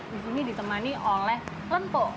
disini ditemani oleh lentoh